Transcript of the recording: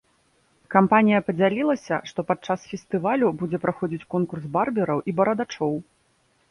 Кампанія падзялілася, што падчас фестывалю будзе праходзіць конкурс барбераў і барадачоў.